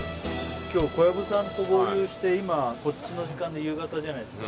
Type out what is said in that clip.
小籔さんと合流してこっちの時間で夕方じゃないですか。